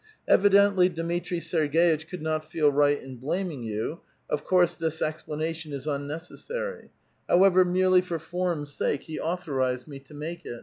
Evidently Dmitri Serg^itch could not feel right in blaming you ; of course this explanation is unnec essary ; however, merely for form's sake, he authorized me to make it.